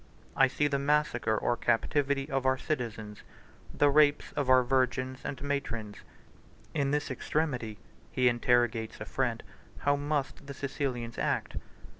I see the massacre or captivity of our citizens, the rapes of our virgins and matrons. 129 In this extremity (he interrogates a friend) how must the Sicilians act?